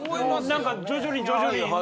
何か徐々に徐々に。